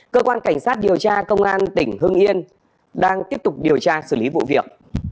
cơ quan cảnh sát điều tra công an tỉnh hưng yên đang tiếp tục điều tra xử lý vụ việc